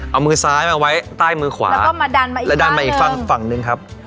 เอามือซ้ายมาไว้ใต้มือขวาแล้วก็มาดันมาอีกแล้วดันมาอีกฝั่งฝั่งหนึ่งครับ